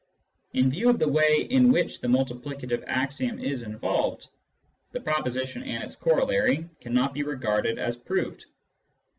In view of the way in which the multiplicative axiom is involved, the proposition and its corollary cannot be regarded as proved.